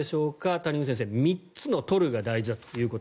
谷口先生３つの取るが大事だと。